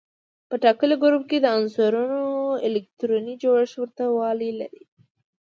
په ټاکلي ګروپ کې د عنصرونو الکتروني جوړښت ورته والی لري.